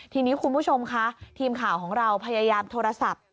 ทีนี้คุณผู้ชมค่ะทีมข่าวของเราพยายามโทรศัพท์